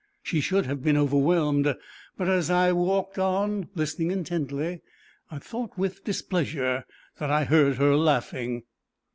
She should have been overwhelmed, but as I walked on listening intently, I thought with displeasure that I heard her laughing.